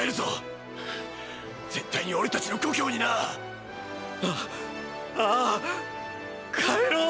絶対に俺たちの故郷にな。ああぁ！帰ろう！！